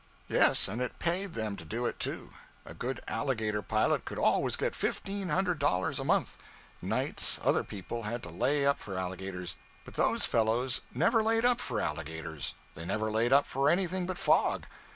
Yes, and it paid them to do it, too. A good alligator pilot could always get fifteen hundred dollars a month. Nights, other people had to lay up for alligators, but those fellows never laid up for alligators; they never laid up for anything but fog.